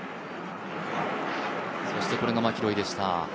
そしてこれがマキロイでした。